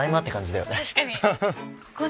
確かに。